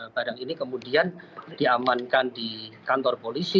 barang ini kemudian diamankan di kantor polisi